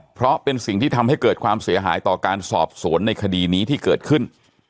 เพราะเป็นสิ่งที่ทำให้เกิดความเสียหายต่อการสอบสวนในคดีนี้ที่เกิดขึ้น